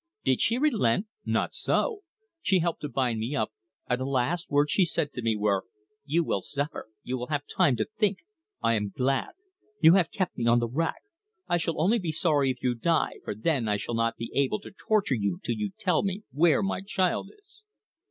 Did she relent? Not so. She helped to bind me up, and the last words she said to me were: 'You will suffer; you will have time to think. I am glad. You have kept me on the rack. I shall only be sorry if you die, for then I shall not be able to torture you till you tell me where my child is!